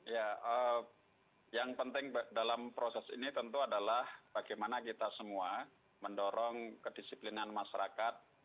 ya yang penting dalam proses ini tentu adalah bagaimana kita semua mendorong kedisiplinan masyarakat